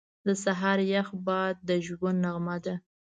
• د سهار یخ باد د ژوند نغمه ده.